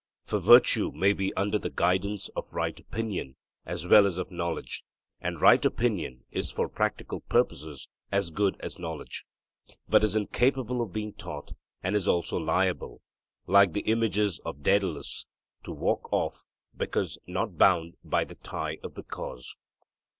For virtue may be under the guidance of right opinion as well as of knowledge; and right opinion is for practical purposes as good as knowledge, but is incapable of being taught, and is also liable, like the images of Daedalus, to 'walk off,' because not bound by the tie of the cause.